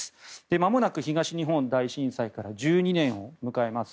まもなく東日本大震災から１２年を迎えます。